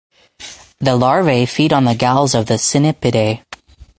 The larvae feed on the galls of Cynipidae.